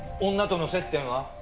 女との接点は？